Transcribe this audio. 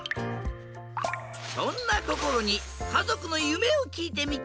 そんなこころにかぞくのゆめをきいてみた！